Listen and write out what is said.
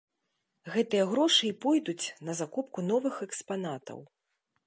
Гэтыя грошы і пойдуць на закупку новых экспанатаў.